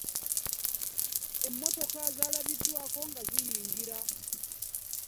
Emmotoka zaalabiddwaako nga ziyingira.